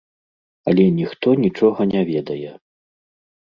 Але ніхто нічога не ведае.